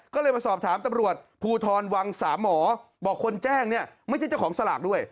ก็เลยมาสอบถามตำรวจภูทรวังสามหมอบอกคนแจ้งเนี่ยไม่ใช่เจ้าของสลากด้วย